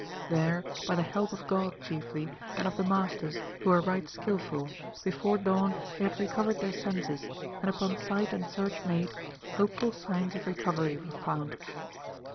There, by the help of God chiefly, and of the masters, who were right skilful, before dawn they had recovered their senses, and upon sight and search made, hopeful signs of recovery were found.